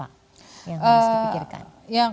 yang harus dipikirkan